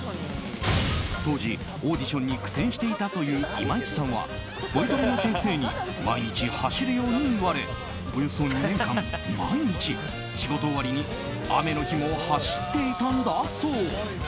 当時、オーディションに苦戦していたという今市さんはボイトレの先生に毎日走るように言われおよそ２年間毎日、仕事終わりに雨の日も走っていたんだそう。